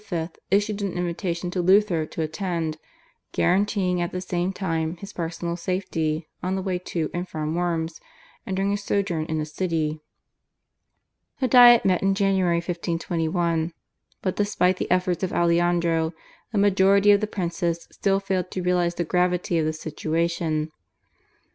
issued an invitation to Luther to attend, guaranteeing at the same time his personal safety on the way to and from Worms and during his sojourn in the city. The Diet met in January 1521, but despite the efforts of Aleandro the majority of the princes still failed to realise the gravity of the situation.